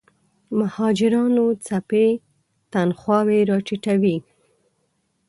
مهاجرانو څپې تنخواوې راټیټوي.